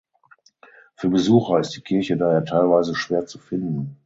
Für Besucher ist die Kirche daher teilweise schwer zu finden.